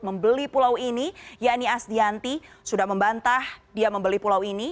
membeli pulau ini yanni asdianti sudah membantah dia membeli pulau ini